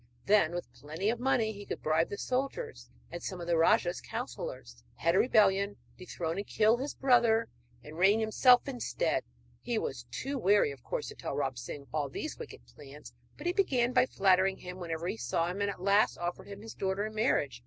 Then, with plenty of money, he could bribe the soldiers and some of the rajah's counsellors, head a rebellion, dethrone and kill his brother, and reign himself instead. He was too wary, of course, to tell Ram Singh of all these wicked plans; but he began by flattering him whenever he saw him, and at last offered him his daughter in marriage.